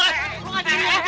lu gak jadi yang gila tadi